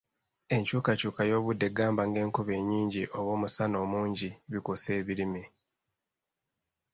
Enkyukakyuka y’obudde gamba ng’enkuba ennyingi oba omusana omungi bikosa ebirime.